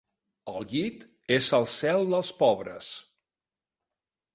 El llit és el cel dels pobres.